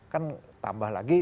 kan tambah lagi